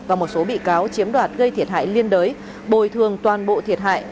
và một số bị cáo chiếm đoạt gây thiệt hại liên đới bồi thường toàn bộ thiệt hại